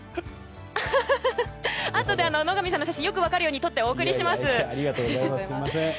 あとで野上さんの写真がよく分かるように撮ってお送りします。